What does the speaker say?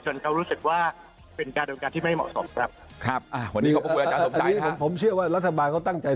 คนส่งมาเยอะเลยตอนนี้เดี๋ยวเอาไปร้องอีก